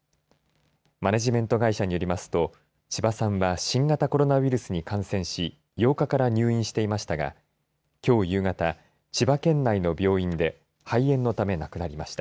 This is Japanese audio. マネジメント会社によりますと千葉さんは新型コロナウイルスに感染し８日から入院していましたがきょう夕方、千葉県内の病院で肺炎のため亡くなりました。